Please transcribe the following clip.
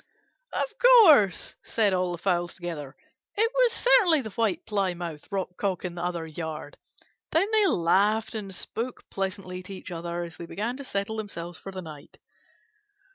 "Of course!" said all the fowls together. "It was certainly the White Plymouth Rock Cock in the other yard." Then they laughed and spoke pleasantly to each other as they began to settle themselves for the night.